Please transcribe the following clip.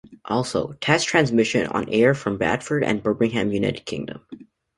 Also Test Transmission on air from Bradford and Birmingham United Kingdom.